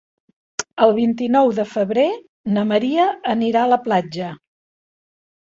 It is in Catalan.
El vint-i-nou de febrer na Maria anirà a la platja.